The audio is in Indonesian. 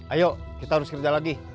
ayo kita harus kerja lagi